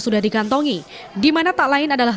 sudah dikantongi dimana tak lain adalah